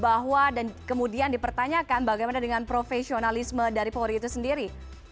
bahwa dan kemudian dipertanyakan bagaimana dengan profesionalisme dari polri itu sendiri